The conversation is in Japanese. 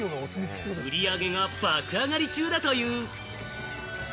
売り上げが爆上がり中だという。